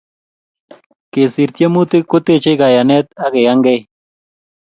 Kesir tiemutik ko techei kayanet ak keyangei